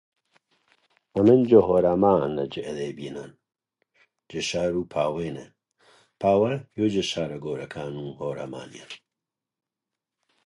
Moon studied at Coe College towards bachelor's degrees in psychology and sociology.